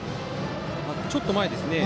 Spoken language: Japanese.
ちょっと前ですよね。